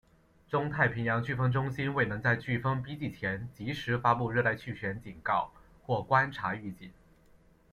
中太平洋飓风中心未能在飓风逼近前及时发布热带气旋警告或观察预警。